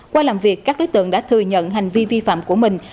qua làm việc các đối tượng đã thừa nhận hành vi vi phạm của mình